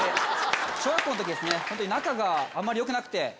小学校の時仲があまり良くなくて。